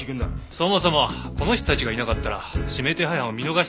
そもそもこの人たちがいなかったら指名手配犯を見逃してたんじゃないですか。